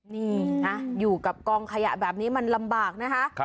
นี่นะอยู่กับกองขยะแบบนี้มันลำบากนะคะ